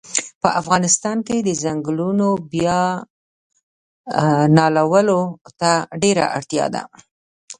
په افغانستان کښی د ځنګلونو بیا نالولو ته ډیره اړتیا ده